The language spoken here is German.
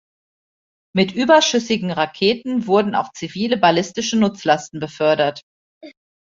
Mit überschüssigen Raketen wurden auch zivile ballistische Nutzlasten befördert.